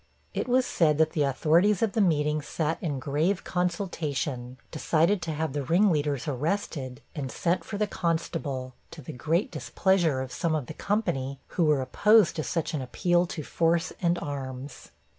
It was said the authorities of the meeting sat in grave consultation, decided to have the ring leaders arrested, and sent for the constable, to the great displeasure of some of the company, who were opposed to such an appeal to force and arms.